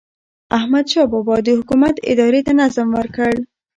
احمدشاه بابا د حکومت ادارې ته نظم ورکړ.